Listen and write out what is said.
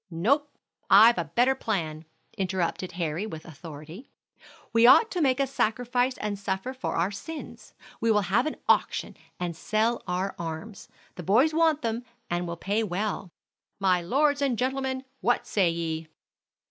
"No, I've a better plan," interrupted Harry with authority. "We ought to make a sacrifice and suffer for our sins. We will have an auction and sell our arms. The boys want them, and will pay well. My lords and gentlemen, what say ye?"